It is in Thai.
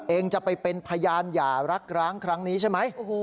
เองจะไปเป็นพยานหย่ารักร้างครั้งนี้ใช่ไหม